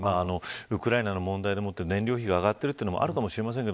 ウクライナの問題で燃料費が上がっているのもあるかもしれませんが。